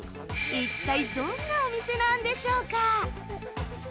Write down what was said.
一体どんなお店なんでしょうか？